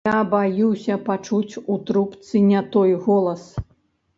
Я баюся пачуць у трубцы не той голас.